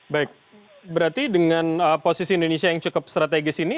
baik berarti dengan posisi indonesia yang cukup strategis ini